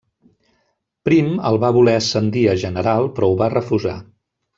Prim el va voler ascendir a general però ho va refusar.